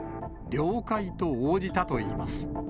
了解と応じたといいます。